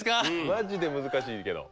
マジで難しいけど。